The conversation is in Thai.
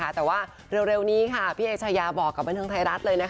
แต่ว่าเร็วนี้พี่เอชายาบอกกับบันเทิงไทยรัฐเลย